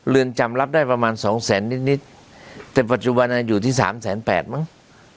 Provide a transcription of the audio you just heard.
เรือนจำรับได้ประมาณสองแสนนิดนิดแต่ปัจจุบันอยู่ที่สามแสนแปดมั้ง